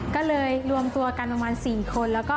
ก็เลยรวมตัวกันประมาณ๔คน